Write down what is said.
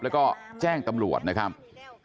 แล้วก็แจ้งตำรวจนะครับ